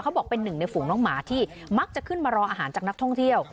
บอกเป็นหนึ่งในฝูงน้องหมาที่มักจะขึ้นมารออาหารจากนักท่องเที่ยว